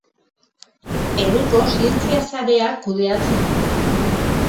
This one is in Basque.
Peruko Zientzia Sareak kudeatzen du.